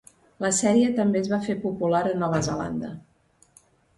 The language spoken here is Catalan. La sèrie també es va fer popular a Nova Zelanda.